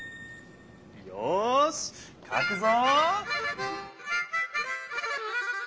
よしかくぞ！